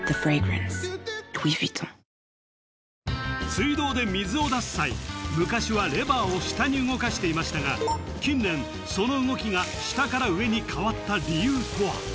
水道で水を出す際昔はレバーを下に動かしていましたが近年その動きが下から上に変わった理由とは？